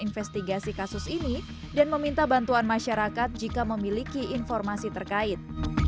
investigasi kasus ini dan meminta bantuan masyarakat jika memiliki informasi terkait